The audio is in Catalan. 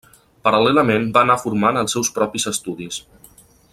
Paral·lelament va anar formant els seus propis estudis.